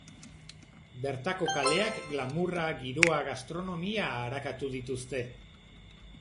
Bertako kaleak, glamourra, giroa, gastronomia arakatu dituzte.